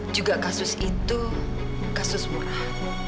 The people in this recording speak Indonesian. juga kasus itu kasus murah